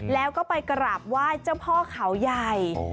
แล้วก็ไปกราบไหว้เจ้าพ่อเขาใหญ่